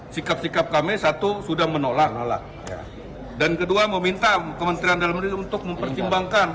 sikap sikap kami satu sudah menolak nolak dan kedua meminta kementerian dalam negeri untuk mempertimbangkan